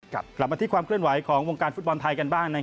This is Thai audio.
กลับมาที่ความเคลื่อนไหวของวงการฟุตบอลไทยกันบ้าง